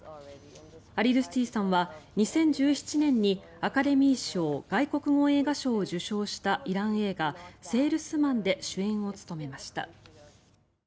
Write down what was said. アリドゥスティさんは２０１７年にアカデミー賞外国語映画賞を受賞したイラン映画「セールスマン」で主演を務めました。